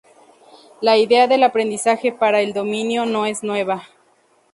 La idea del aprendizaje para el dominio no es nueva.